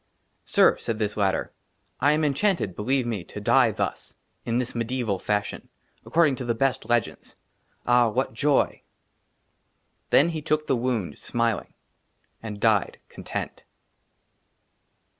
" SIR," SAID THIS LATTER, " I AM ENCHANTED, BELIEVE ME, "TO DIE, THUS, " IN THIS MEDIEVAL FASHION, " ACCORDING TO THE BEST LEGENDS ;" AH, WHAT JOY !"^ THEN TOOK HE THE WOUND, SMILING^ AND DIED, CONTENT.